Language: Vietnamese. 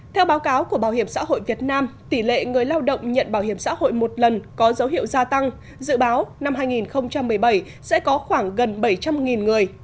theo báo cáo của bảo hiểm xã hội việt nam tỷ lệ người lao động nhận bảo hiểm xã hội một lần có dấu hiệu gia tăng dự báo năm hai nghìn một mươi bảy sẽ có khoảng gần bảy trăm linh người